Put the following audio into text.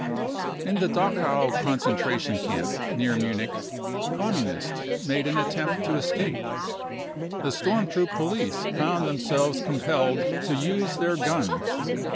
In the Dachau concentra tion camp, near Munich, Communists made an attempt to escape. The Storm Troop police found themselves compelled to use their guns.